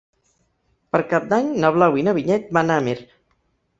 Per Cap d'Any na Blau i na Vinyet van a Amer.